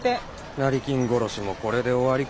成金殺しもこれで終わりか。